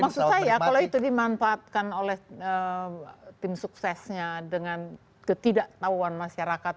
maksud saya kalau itu dimanfaatkan oleh tim suksesnya dengan ketidaktahuan masyarakat